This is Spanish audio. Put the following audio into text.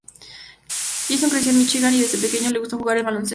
Johnson creció en Míchigan, y desde pequeño le gustó jugar al baloncesto.